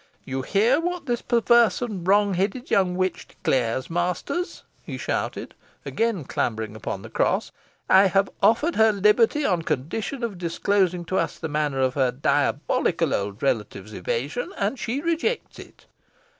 You hear what this perverse and wrong headed young witch declares, masters," he shouted, again clambering upon the cross. "I have offered her liberty, on condition of disclosing to us the manner of her diabolical old relative's evasion, and she rejects it."